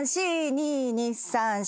２・２・３・４。